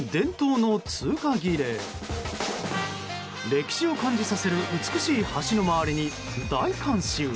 歴史を感じさせる美しい橋の周りに大観衆。